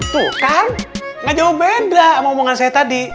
tuh kan gak jauh beda sama omongan saya tadi